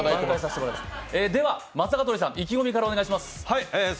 では、松坂桃李さん意気込みからお願いします。